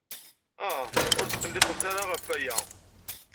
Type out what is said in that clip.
Ah, ur tqelliqemt ara ɣef waya.